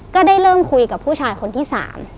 ก็ได้เริ่มคุยกับผู้ชายคนที่๓